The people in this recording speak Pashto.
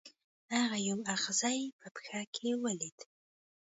هغه یو اغزی په پښه کې ولید.